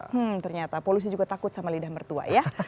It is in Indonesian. hmm ternyata polusi juga takut sama lidah mertua ya